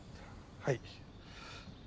はい。